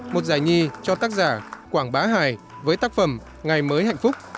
một giải nhi cho tác giả quảng bá hài với tác phẩm ngày mới hạnh phúc